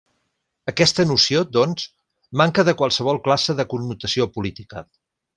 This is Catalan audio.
Aquesta noció, doncs, manca de qualsevol classe de connotació política.